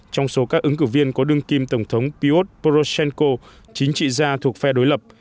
trong số các ứng cử viên có đương kim tổng thống piot poroshenko chính trị gia thuộc phe đối lập